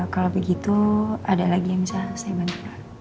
kalau begitu ada lagi yang bisa saya bantu